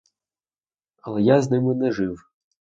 Але я з ними не жив.